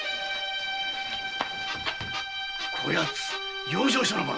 こやつ養生所の者！